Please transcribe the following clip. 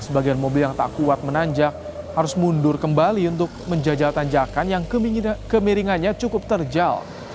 sebagian mobil yang tak kuat menanjak harus mundur kembali untuk menjajal tanjakan yang kemiringannya cukup terjal